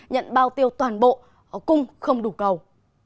nhận bao tiêu toàn bộ cùng không đủ cầu